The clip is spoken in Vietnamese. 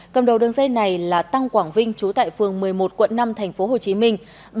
cầm đầu đường dây này là tăng quảng vinh trú tại phường một mươi một quận năm thành phố hồ chí minh